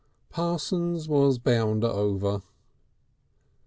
Parsons was bound over.